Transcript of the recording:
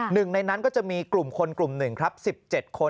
หนึ่งในนั้นก็จะมีกลุ่มคนกลุ่มหนึ่งครับ๑๗คน